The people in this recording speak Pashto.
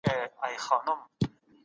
آیا ته غواړې چي علمي بحث وکړې؟